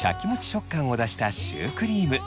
食感を出したシュークリーム。